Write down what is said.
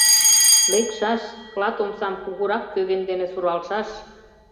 Лекшаш, клат омсам кугурак кӧгӧн дене суралышаш.